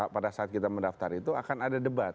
pada saat kita mendaftar itu akan ada debat